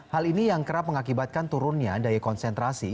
hal ini yang kerap mengakibatkan turunnya daya konsentrasi